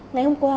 ngày hôm qua